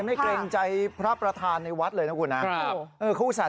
เกรงใจพระประธานในวัดเลยนะคุณนะ